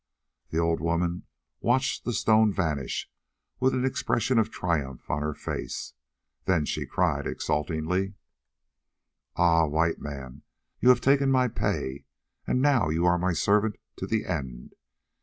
The old woman watched the stone vanish with an expression of triumph on her face, then she cried exultingly: "Ah! White Man, you have taken my pay, and now you are my servant to the end.